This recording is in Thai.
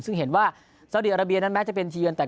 ซึ่งเห็นว่าเซาดีอาราเบียนั้นนะแมดจะเป็นที่อย่างนั้น